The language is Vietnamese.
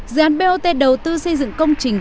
dự án bot đầu tư xây dựng công trình